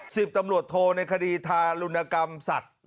สิบตำรวจโทในคดีทารุณกรรมสัตว์